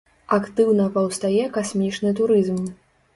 Актыўна паўстае касмічны турызм.